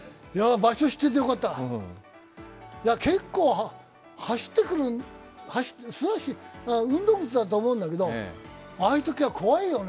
場所知っててよかった、結構走ってくる運動靴だと思うんだけど、ああいうときは怖いよね。